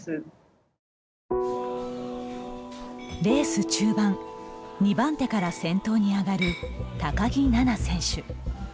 レース中盤、２番手から先頭に上がる高木菜那選手。